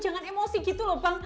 jangan emosi gitu loh bang